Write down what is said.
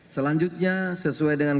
selanjutnya sesuai dengan